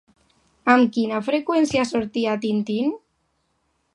Amb quina freqüència sortia Tintín?